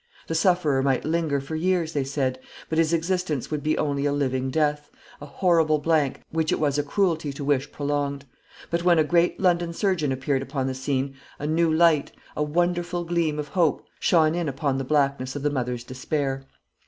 The sufferer might linger for years, they said; but his existence would be only a living death, a horrible blank, which it was a cruelty to wish prolonged. But when a great London surgeon appeared upon the scene, a new light, a wonderful gleam of hope, shone in upon the blackness of the mother's despair.